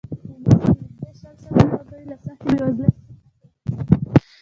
د مصر نږدې شل سلنه وګړي له سختې بېوزلۍ څخه کړېږي.